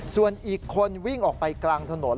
ส่วนอีกคนวิ่งออกไปกลางถนน